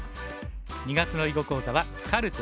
２月の囲碁講座は「カルテ⑤」。